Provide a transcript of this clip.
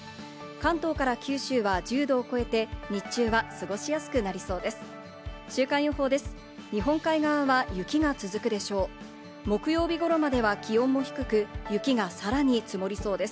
関東から九州は１０度を超えて日中は過ごしやすくなりそうです。